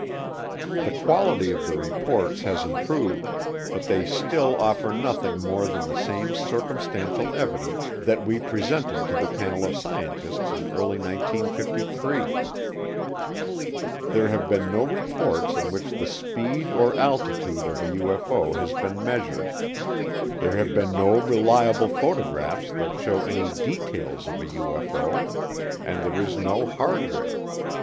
The quality of the reports has improved, but they still offer nothing more than the same circumstantial evidence that we presented to the panel of scientists in early 1953. There have been no reports in which the speed or altitude of a UFO has been measured, there have been no reliable photographs that show any details of a UFO, and there is no hardware.